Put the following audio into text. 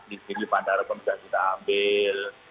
di sini pandang juga kita ambil